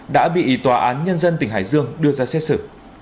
đã bị tòa án nhân dân tỉnh hải dương đưa ra xét xử